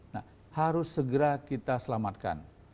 nah harus segera kita selamatkan